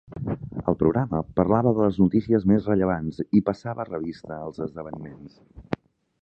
El programa parlava de les notícies més rellevants i passava revista als esdeveniments.